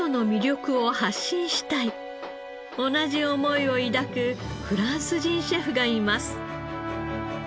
同じ思いを抱くフランス人シェフがいます。